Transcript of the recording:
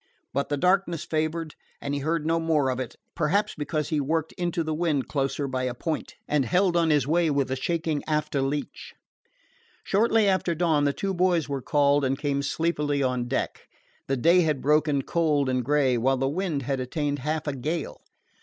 But the darkness favored, and he heard no more of it perhaps because he worked into the wind closer by a point, and held on his way with a shaking after leech. Shortly after dawn, the two boys were called and came sleepily on deck. The day had broken cold and gray, while the wind had attained half a gale.